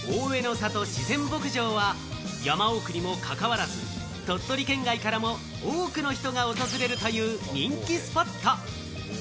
郷自然牧場は、山奥にも関わらず、鳥取県外からも多くの人が訪れるという人気スポット。